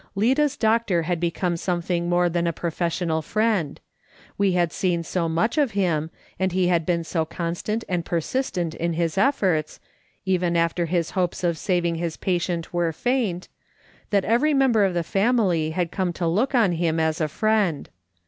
Lida's doctor had become something more than a professional friend ; we had seen so much of him, and he had been so constant and persistent in his efforts, even after his hopes of saving his patient were faint, that every member of the family had come to look on him as a friend.